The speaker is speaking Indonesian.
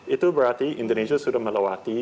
itu berarti indonesia sudah melewati